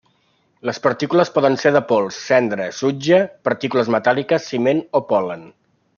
Les partícules poden ser de pols, cendra, sutge, partícules metàl·liques, ciment o pol·len.